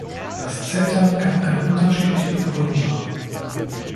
Das Zepter kann eine unterschiedliche Bekrönung haben.